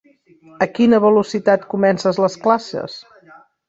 A quina velocitat comences les classes?